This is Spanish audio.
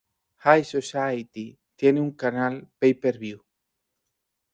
High Society tiene un canal pay per view.